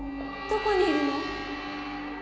どこにいるの？